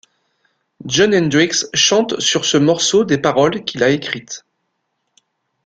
Jon Hendricks chante sur ce morceau des paroles qu'il a écrites.